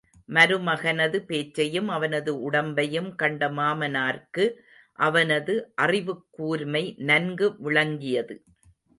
மருமகனது பேச்சையும், அவனது உடம்பையும் கண்ட மாமனார்க்கு, அவனது அறிவுக் கூர்மை நன்கு விளங்கியது.